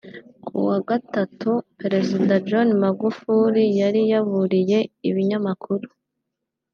Ku wa Gatatu Perezida John Magufuli yari yaburiye ibinyamakuru